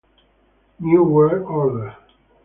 New World Order